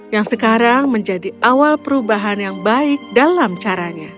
yang sekarang menjadi awal perubahan yang baik dalam caranya